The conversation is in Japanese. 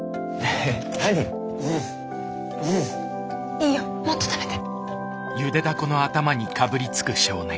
いいよもっと食べて。